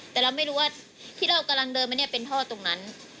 แต่เราไม่รู้ว่าที่เรากำลังเดินมาเนี่ยเป็นท่อตรงนั้น